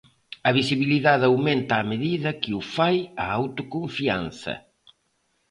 A visibilidade aumenta a medida que o fai a autoconfianza.